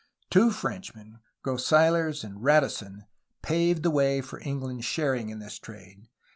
Two Frenchmen, Groseilliers and Radisson, paved the way for England's sharing in this trade.